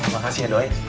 makasih ya doi